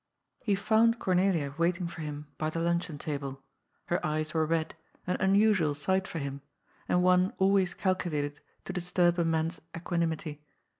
Hb found Cornelia waiting for him by the luncheon table. Her eyes were red, an unusual sight for him, and one always calculated to disturb a man's equanimity.